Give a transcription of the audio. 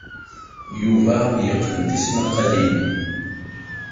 Yuba yeqqen tismaqqalin.